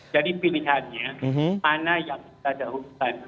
jadi pilihannya mana yang kita jauhkan